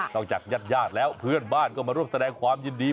จากญาติญาติแล้วเพื่อนบ้านก็มาร่วมแสดงความยินดี